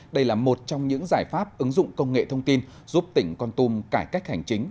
đây là một trong những giải pháp ứng dụng công nghệ thông tin giúp tỉnh con tum cải cách hành chính